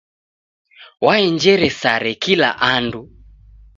Waenjere sare kila andu.